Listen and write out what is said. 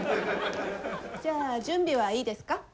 じゃあ準備はいいですか？